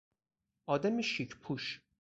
آدم شیک پوش